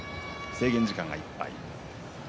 制限時間いっぱい。